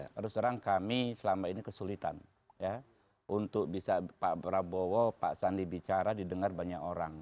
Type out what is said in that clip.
terus terang kami selama ini kesulitan untuk bisa pak prabowo pak sandi bicara didengar banyak orang